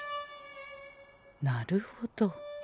なるほど。